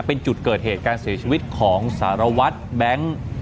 เป็นจุดเกิดเหตุการเสียชีวิตของสารวัตรแบงค์